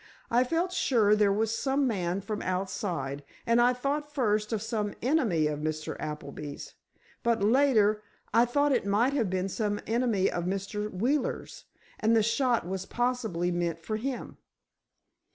"I felt sure there was some man from outside. And I thought first of some enemy of Mr. Appleby's. But later, I thought it might have been some enemy of Mr. Wheeler's and the shot was possibly meant for him."